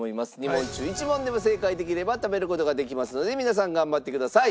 ２問中１問でも正解できれば食べる事ができますので皆さん頑張ってください。